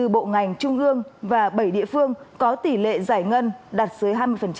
hai mươi bộ ngành trung ương và bảy địa phương có tỷ lệ giải ngân đạt dưới hai mươi